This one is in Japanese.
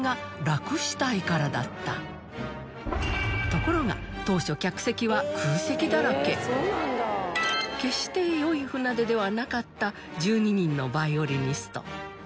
ところが当初決して良い船出ではなかった「１２人のヴァイオリニスト」